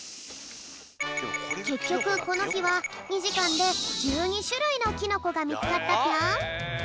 けっきょくこのひは２じかんで１２しゅるいのキノコがみつかったぴょん！